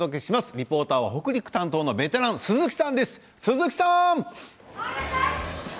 リポーターは北陸担当のベテラン鈴木さんです。